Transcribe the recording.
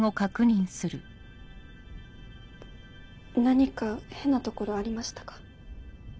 何か変な所ありましたか？